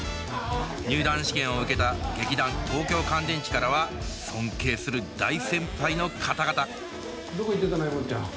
入団試験を受けた劇団東京乾電池からは尊敬する大先輩の方々どこ行ってたのえもっちゃん。